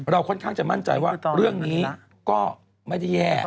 ค่อนข้างจะมั่นใจว่าเรื่องนี้ก็ไม่ได้แย่